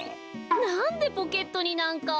なんでポケットになんか。